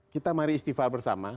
kita mari istighfar bersama